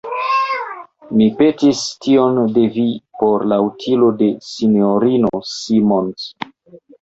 Mi petis tion de vi por la utilo de S-ino Simons.